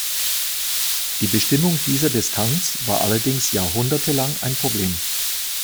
Die Bestimmung dieser Distanz war allerdings jahrhundertelang ein Problem.